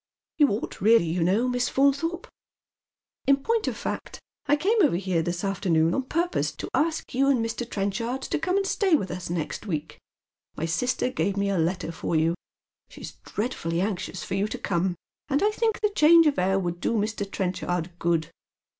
You ought really, you know, Miss Faun thorpe ; in point of fact, I came over here this afternoon on purpose to ask you and IVIr. Trenchard to come and stay with ub, next week. My sister gave me a letter for you. She's dreadfully anxious for you to come, and I think the change of air would do Mr. Trenchard good.